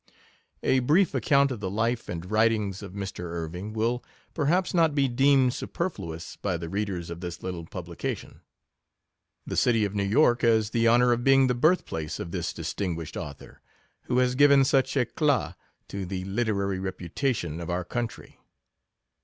A brief account of the life and writings of Mr. Irving will, perhaps, not be deemed super fluous by the readers of this little publication. The city of New York has the honour of being the birth place of this distinguished author, who has given such eclat to the lite rary reputation of our country.